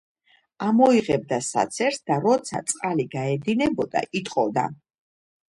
ამოიღებდა საცერს, და როცა წყალი გაედინებოდა, იტყოდა